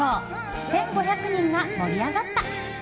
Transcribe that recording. １５００人が盛り上がった。